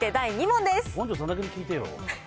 本上さんだけに聞いてよ。